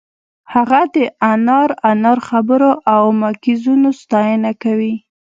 هغه د انار انار خبرو او مکیزونو ستاینه کوي